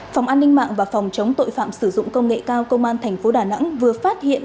phòng an ninh mạng và phòng chống tội phạm sử dụng công nghệ cao công an thành phố đà nẵng vừa phát hiện